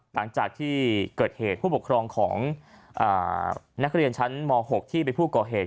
หลังจากที่เกิดเหตุผู้ปกครองของนักเรียนชั้นม๖ที่เป็นผู้ก่อเหตุ